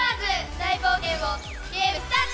大冒険をゲームスタート！